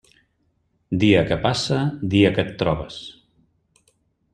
Dia que passa, dia que et trobes.